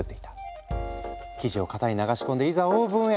生地を型に流し込んでいざオーブンへ。